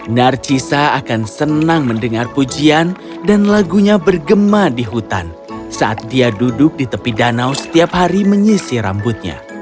narcisa akan senang mendengar pujian dan lagunya bergema di hutan saat dia duduk di tepi danau setiap hari menyisi rambutnya